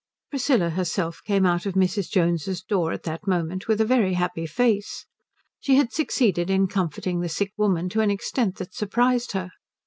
Priscilla herself came out of Mrs. Jones's door at that moment with a very happy face. She had succeeded in comforting the sick woman to an extent that surprised her.